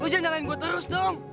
lo jangan nyalain gue terus dong